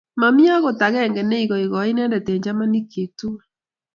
Ma mi agot agenge ne igoigoi ineendet eng' chamanikyik tugul.